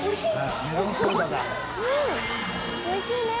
おいしいね。